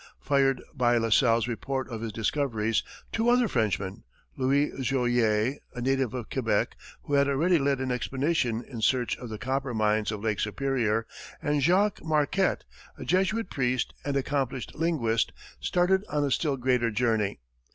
Fired by La Salle's report of his discoveries, two other Frenchmen, Louis Joliet, a native of Quebec, who had already led an expedition in search of the copper mines of Lake Superior, and Jacques Marquette, a Jesuit priest and accomplished linguist, started on a still greater journey.